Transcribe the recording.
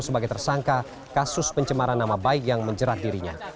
sebagai tersangka kasus pencemaran nama baik yang menjerat dirinya